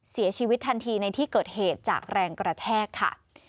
เสียชีวิตทันทีในที่เกิดเหตุจากแรงกระแทกค่ะ